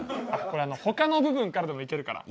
これあの他の部分からでもいけるから。